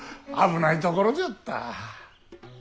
危ないところじゃった。